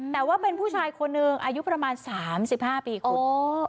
แต่ว่าเป็นผู้ชายคนหนึ่งอายุประมาณ๓๕ปีคุณ